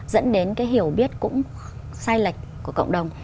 dẫn đến cái hiểu biết cũng sai lệch của cộng đồng